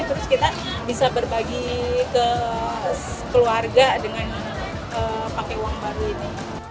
terus kita bisa berbagi ke keluarga dengan pakai uang baru ini